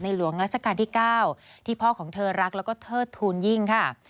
หลวงราชการที่๙ที่พ่อของเธอรักแล้วก็เทิดทูลยิ่งค่ะ